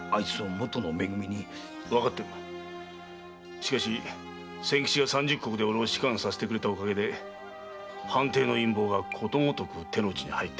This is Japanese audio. わかってるしかし千吉が三十石で俺を仕官させてくれたお陰で藩邸の陰謀がことごとく手の内に入ってくる。